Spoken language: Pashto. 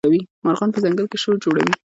مارغان په ځنګل کي شور جوړوي.